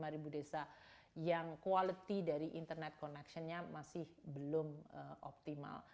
tujuh puluh lima ribu desa yang quality dari internet connectionnya masih belum optimal